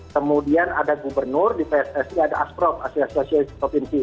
kemudian ada gubernur di pssi ada asprop